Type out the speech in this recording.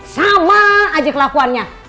sama aja kelakuannya